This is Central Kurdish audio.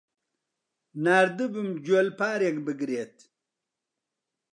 ناردبووم گوێلپارێک بگرێت.